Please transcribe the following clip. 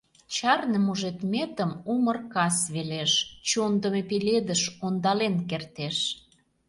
Чарне мужедметым Умыр кас велеш: Чондымо пеледыш Ондален кертеш.